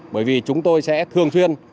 bởi vì chúng tôi sẽ thường xuyên